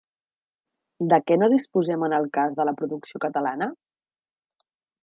De què no disposem en el cas de la producció catalana?